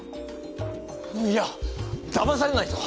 いやだまされないぞ！